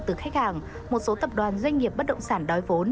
từ khách hàng một số tập đoàn doanh nghiệp bất động sản đói vốn